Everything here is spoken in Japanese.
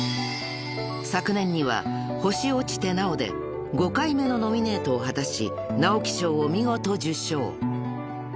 ［昨年には『星落ちて、なお』で５回目のノミネートを果たし直木賞を見事受賞］